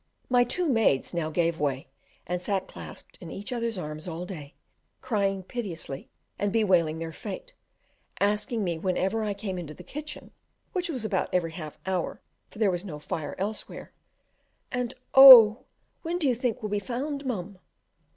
My two maids now gave way, and sat clasped in each other's arms all day, crying piteously, and bewailing their fate, asking me whenever I came into the kitchen, which was about every half hour, for there was no fire elsewhere, "And oh, when do you think we'll be found, mum?"